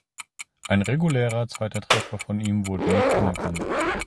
Ein regulärer zweiter Treffer von ihm wurde nicht anerkannt.